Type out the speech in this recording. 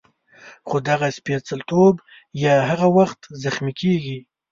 خو دغه سپېڅلتوب یې هغه وخت زخمي کېږي.